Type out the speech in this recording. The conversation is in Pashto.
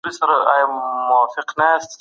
مشر وويل چي عزت او شرف د ښو اعمالو پايله ده.